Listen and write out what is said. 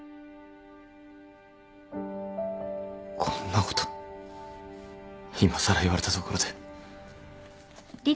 こんなこといまさら言われたところで。